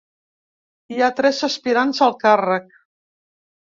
Hi ha tres aspirants al càrrec.